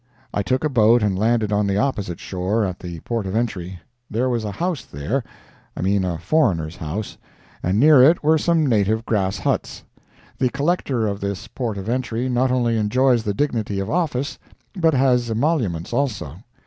I took a boat and landed on the opposite shore, at the port of entry. There was a house there—I mean a foreigner's house—and near it were some native grass huts. The Collector of this port of entry not only enjoys the dignity of office, but has emoluments also.